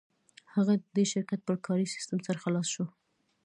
هغه د دې شرکت پر کاري سیسټم سر خلاص شو